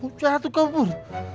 mau jatuh kau pun